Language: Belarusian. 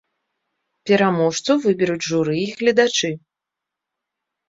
Пераможцу выберуць журы і гледачы.